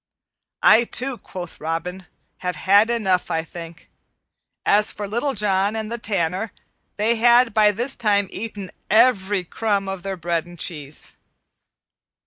"I, too," quoth Robin, "have had enough, I think." As for Little John and the Tanner, they had by this time eaten every crumb of their bread and cheese.